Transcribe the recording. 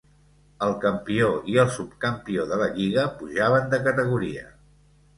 El campió i el subcampió de la lliga pujaven de categoria.